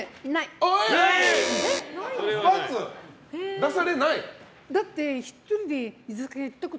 出されないと。